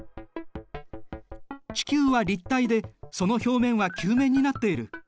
地球は立体でその表面は球面になっている。